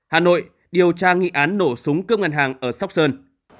hà nội điều tra nghị án nổ súng cướp ngân hàng ở sóc sơn